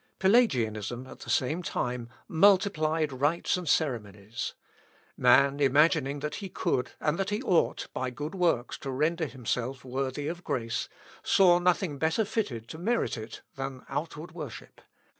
Pelagianism, at the same time, multiplied rites and ceremonies. Man imagining that he could, and that he ought, by good works, to render himself worthy of grace, saw nothing better fitted to merit it than outward worship.